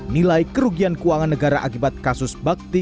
nilai kerugian keuangan negara akibat kasus bakti